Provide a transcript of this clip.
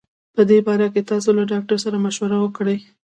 په دي باره کي تاسو له ډاکټر سره مشوره کړي